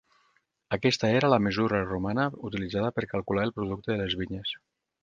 Aquesta era la mesura romana utilitzada per calcular el producte de les vinyes.